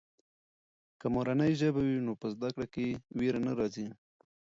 که مورنۍ ژبه وي نو په زده کړه کې وېره نه راځي.